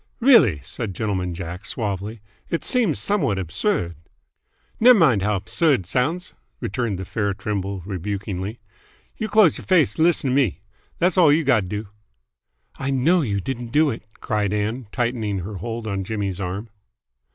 "Really," said Gentleman Jack suavely, "it seems somewhat absurd " "Ney' mind how 'bsurd 't sounds," returned the fair Trimble rebukingly. "You close y'r face 'n lissen t' me. Thass all you've gotta do." "I know you didn't do it!" cried Ann, tightening her hold on Jimmy's arm.